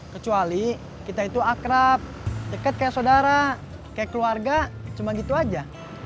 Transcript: kecuali kita itu akrab dekat kayak saudara kayak keluarga cuma gitu aja